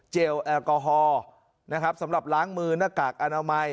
แอลกอฮอล์นะครับสำหรับล้างมือหน้ากากอนามัย